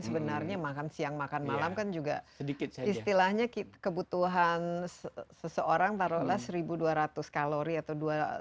sebenarnya makan siang makan malam kan juga istilahnya kebutuhan seseorang taruhlah seribu dua ratus kalori atau